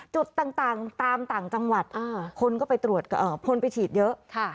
จุดต่างตามต่างจังหวัดคนก็ไปตรวจคนไปฉีดเยอะ